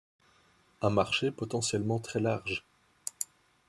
Un marché potentiellement très large.